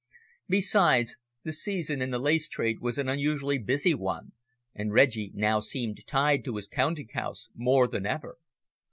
Besides, the season in the lace trade was an unusually busy one, and Reggie now seemed tied to his counting house more than ever.